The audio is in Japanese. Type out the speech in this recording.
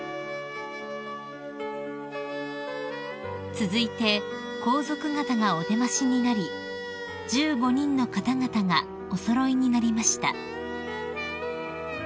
［続いて皇族方がお出ましになり１５人の方々がお揃いになりました］